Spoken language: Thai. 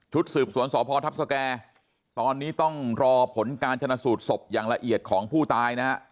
สืบสวนสพทัพสแก่ตอนนี้ต้องรอผลการชนะสูตรศพอย่างละเอียดของผู้ตายนะฮะ